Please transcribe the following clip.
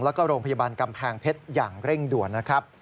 และโรงพยาบาลกำแพงเพชรอย่างเร่งด่วน